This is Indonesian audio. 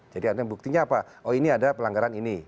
jadi ada buktinya apa oh ini ada pelanggaran ini